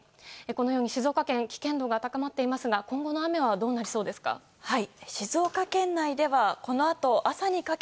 このように静岡県危険度が高まっていますが今後の雨はどうなりそうですか？